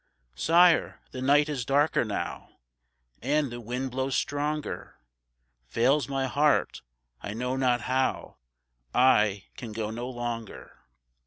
"Sire, the night is darker now, And the wind blows stronger; Fails my heart, I know not how, I can go no longer."